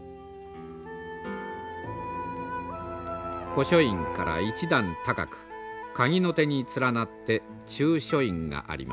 古書院から１段高く鍵の手に連なって中書院があります。